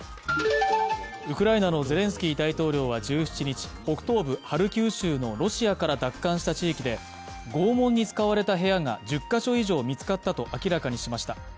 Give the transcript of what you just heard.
ウクライナのゼレンスキー大統領は１７日、北東部ハルキウ州のロシアから奪還した地域で拷問に使われた部屋が１０か所以上見つかったと明らかにしました。